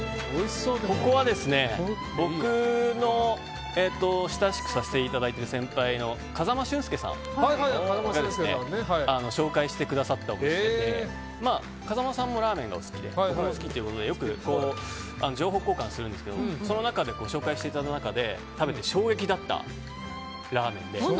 ここは僕の親しくさせていただいている先輩風間俊介さんが紹介してくださったお店で風間さんもラーメンがお好きで僕も好きということでよく情報交換するんですけどその紹介していただいた中で食べて衝撃だったラーメンで。